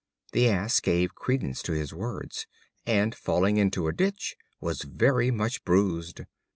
The Ass gave credence to his words, and, falling into a ditch, was very much bruised.